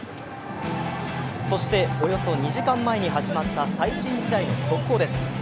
そしておよそ２時間前に始まった最新試合の速報です。